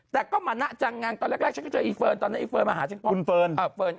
แต่ก็มาน่าจังงานตอนแรกฉันก็เจออีเฟิร์นตอนนั้นอีเฟิร์นมาหาฉัน